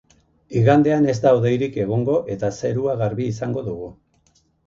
Igandean ez da hodeirik egongo eta zerua garbi izango dugu.